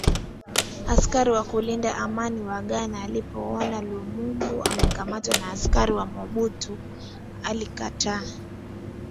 Askari wa kulinda amani wa Ghana walipoona Lumumba amekamatwa na askari wa Mobutu walitaka